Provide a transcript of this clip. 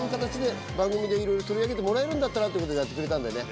番組でいろいろ取り上げてもらえるんだったらっていうことでやってくれたんだよね。